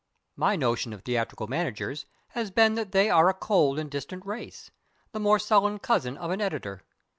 My notion of theatrical managers has been that they are a cold and distant race the more sullen cousin of an editor.